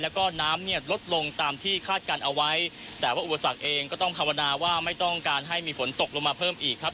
แล้วก็น้ำเนี่ยลดลงตามที่คาดการณ์เอาไว้แต่ว่าอุปสรรคเองก็ต้องภาวนาว่าไม่ต้องการให้มีฝนตกลงมาเพิ่มอีกครับ